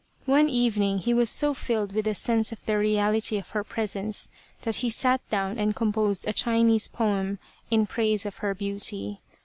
One evening he was so filled with the sense of the reality of her presence that he sat down and composed a Chinese poem in praise of her beauty.